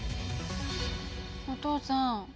お父さん